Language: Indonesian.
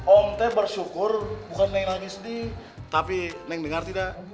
om teh bersyukur bukan neng lagi sedih tapi neng denger tidak